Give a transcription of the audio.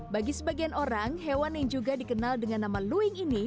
bagi sebagian orang hewan yang juga dikenal dengan nama louis ini